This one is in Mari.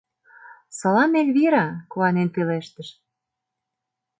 — Салам, Эльвира, — куанен пелештыш.